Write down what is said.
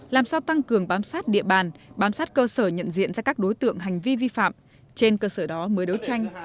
làm sao tăng cường bám sát địa bàn bám sát cơ sở nhận diện ra các đối tượng hành vi vi phạm trên cơ sở đó mới đấu tranh